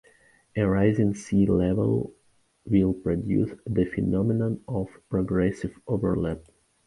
A rising sea level will produce the phenomenon of progressive overlap.